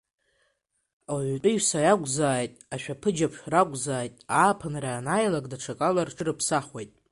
Ауаҩытәыҩса иакәзааит, ашәаԥыџьаԥ ракәзааит ааԥынра анааилак даҽакала рҽырыԥсахуеит.